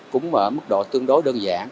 cũng ở mức độ tương đối đơn giản